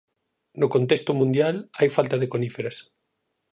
No contexto mundial hai falta de coníferas.